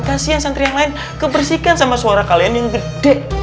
kasian santri yang lain kebersihkan sama suara kalian yang gede